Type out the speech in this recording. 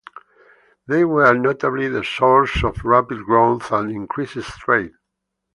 They were notably the source of rapid growth and increased trade.